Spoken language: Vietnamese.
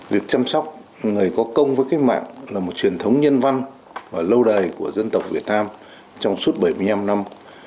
việc chăm sóc người có công với cách mạng là một truyền thống nhân văn và lâu đời của dân tộc việt nam trong suốt bảy mươi năm năm